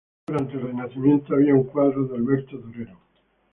Durante el Renacimiento había un cuadro de Alberto Durero.